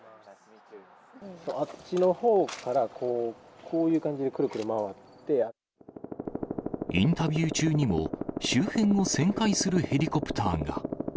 あっちのほうから、こういうインタビュー中にも、周辺を旋回するヘリコプターが。